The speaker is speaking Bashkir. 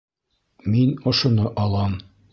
Мин ошоно алам